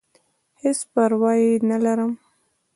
هېڅ پرواه ئې نۀ لرم -